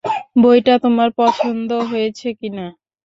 বইটা তোমার পছন্দ হয়েছে কিনা?